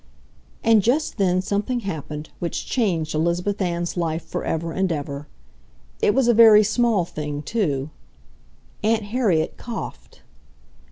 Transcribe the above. And just then something happened which changed Elizabeth Ann's life forever and ever. It was a very small thing, too. Aunt Harriet coughed.